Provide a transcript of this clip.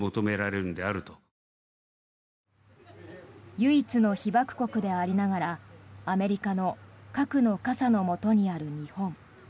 唯一の被爆国でありながらアメリカの核の傘のもとにある日本。